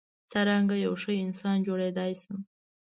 څرنګه یو ښه انسان جوړیدای شم.